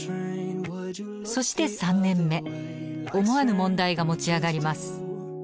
そして３年目思わぬ問題が持ち上がります。